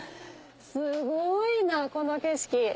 すごいなこの景色。